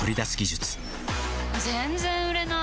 全然売れなーい。